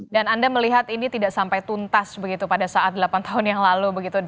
dan anda melihat ini tidak sampai tuntas begitu pada saat delapan tahun yang lalu begitu